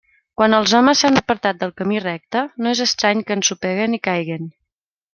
Quan els homes s'han apartat del camí recte, no és estrany que ensopeguen i caiguen.